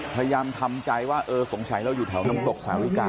พยายามทำใจว่าเออสงสัยเราอยู่แถวน้ำตกสาริกา